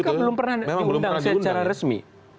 kpk belum pernah diundang secara resmi